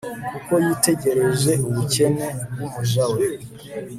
kuko yitegereje ubukene bw'umuja we